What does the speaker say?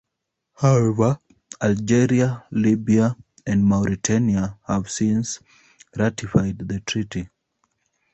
However, Algeria, Libya, and Mauritania have since ratified the Treaty.